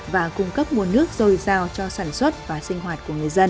và cung cấp nguồn nước dồi dào cho sản xuất và sinh hoạt của người dân